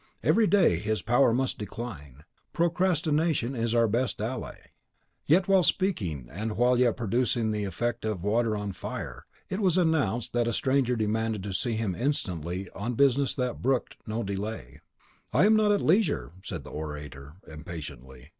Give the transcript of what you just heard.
Every day his power must decline. Procrastination is our best ally " While yet speaking, and while yet producing the effect of water on the fire, it was announced that a stranger demanded to see him instantly on business that brooked no delay. "I am not at leisure," said the orator, impatiently.